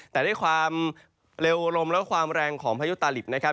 แต่ด้วยความเร็วลมและความแรงของพายุตาหลิบนะครับ